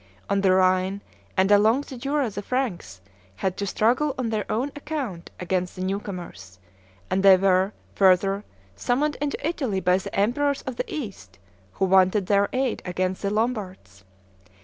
On the Rhine and along the Jura the Franks had to struggle on their own account against the new comers; and they were, further, summoned into Italy by the Emperors of the East, who wanted their aid against the Lombards.